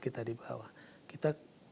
kita di bawah kita